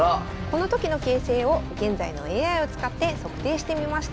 この時の形勢を現在のＡＩを使って測定してみました。